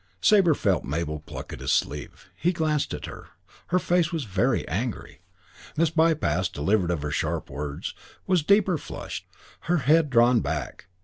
Sabre felt Mabel pluck at his sleeve. He glanced at her. Her face was very angry. Miss Bypass, delivered of her sharp words, was deeper flushed, her head drawn back.